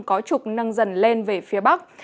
có trục nâng dần lên về phía bắc